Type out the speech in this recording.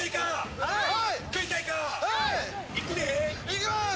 行きます。